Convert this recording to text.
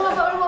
udah udah udah